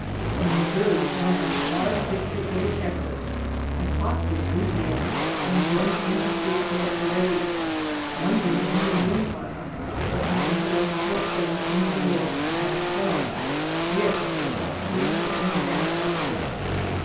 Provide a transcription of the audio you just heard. When Missouri won a hard victory over Texas I caught the enthusiasm and joined in the shirt tail parade, wondering, in the mean time, what my intellectual friends in New York would have thought if they had seen me in that outfit.